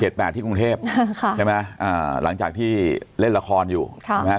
เหตุแปดที่กรุงเทพฯใช่ไหมอ่าหลังจากที่เล่นละครอยู่ใช่ไหม